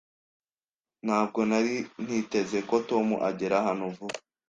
Ntabwo nari niteze ko Tom agera hano vuba.